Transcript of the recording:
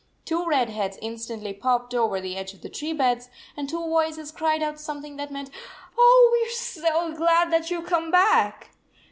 Two red heads instantly popped over the edge of the tree beds, and two voices cried out something that meant, "Oh, we re so glad that you Ve come back."